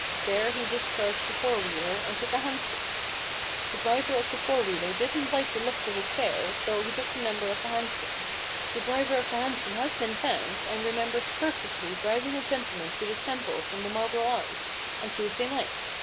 There he discharged the four wheeler, and took a hansom. The driver of the four wheeler didn't like the looks of his fare, so he took the number of the hansom. The driver of the hansom has been found, and remembers perfectly driving a gentleman to the Temple from the Marble Arch, on Tues day night.